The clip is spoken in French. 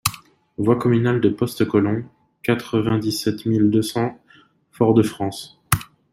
Voie Communale de Poste Colon, quatre-vingt-dix-sept mille deux cents Fort-de-France